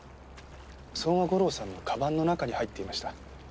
相馬悟郎さんのカバンの中に入っていました。